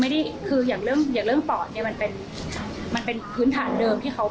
ถือถ้าห่วงตัวเองความเป็นลูก